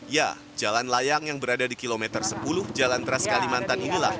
ya jalan layang yang berada di kilometer sepuluh jalan trans kalimantan inilah